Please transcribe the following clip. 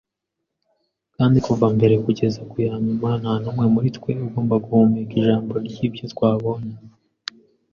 kandi kuva mbere kugeza ku ya nyuma, nta n'umwe muri twe ugomba guhumeka ijambo ry'ibyo twabonye. ”